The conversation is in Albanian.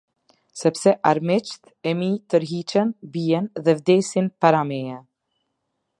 Sepse armiqtë e mi tërhiqen, bien dhe vdesin para teje.